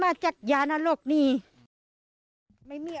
คุณผู้สายรุ่งมโสผีอายุ๔๒ปี